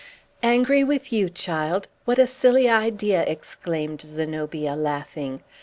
"Angry with you, child? What a silly idea!" exclaimed Zenobia, laughing.